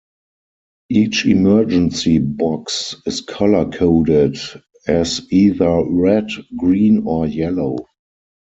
Each emergency box is color coded as either red, green, or yellow.